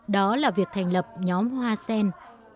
đó là việc thành lập nhóm hoa sen